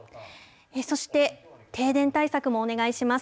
そして、停電対策もお願いします。